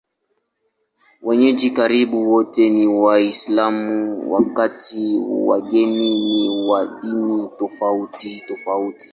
Wenyeji karibu wote ni Waislamu, wakati wageni ni wa dini tofautitofauti.